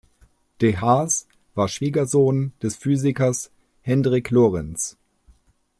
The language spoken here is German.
De Haas war Schwiegersohn des Physikers Hendrik Lorentz.